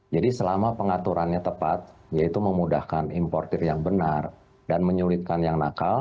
jadi selama pengaturannya tepat yaitu memudahkan importer yang benar dan menyulitkan yang nakal